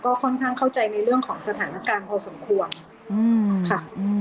ก็ค่อนข้างเข้าใจในเรื่องของสถานการณ์พอสมควรค่ะ